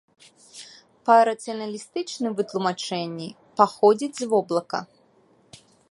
Па рацыяналістычным вытлумачэнні, паходзіць з воблака.